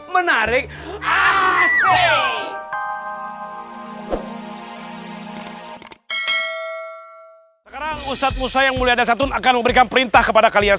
menarik asli sekarang ustadz musa yang mulia dasyatun akan memberikan perintah kepada kalian